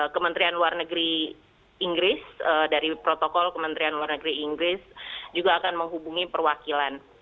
kementerian luar negeri inggris dari protokol kementerian luar negeri inggris juga akan menghubungi perwakilan